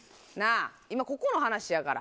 今、ここの話やから。